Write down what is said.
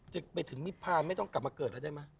จะไปถึงมิพาไม่ต้องกลับมาเกิดแล้วได้ไหม